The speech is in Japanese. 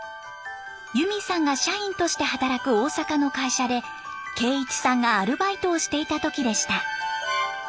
ゆみさんが社員として働く大阪の会社で圭一さんがアルバイトをしていた時でした。